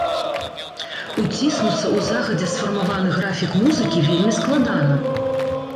Уціснуцца ў загадзя сфармаваны графік музыкі вельмі складана!